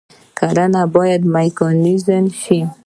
کرنه باید میکانیزه شي